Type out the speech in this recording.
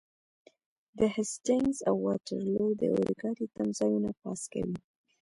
د هسټینګز او واټرلو د اورګاډي تمځایونه پاس کوئ.